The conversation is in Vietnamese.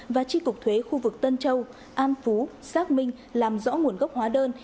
và tri cục thuế khu vực tân châu an phú xác minh làm rõ nguồn gốc hóa đơn